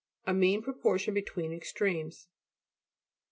A mean proportion between extremes.